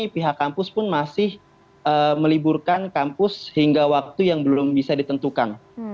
pihak kampus pun masih meliburkan kampus hingga waktu yang belum bisa ditentukan